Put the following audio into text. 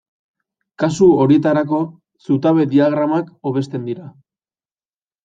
Kasu horietarako, zutabe-diagramak hobesten dira.